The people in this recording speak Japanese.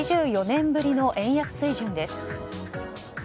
２４年ぶりの円安水準です。